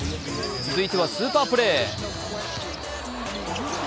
続いてはスーパープレー。